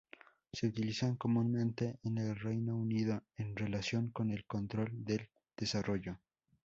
Se utilizan comúnmente en el Reino Unido en relación con el control del desarrollo.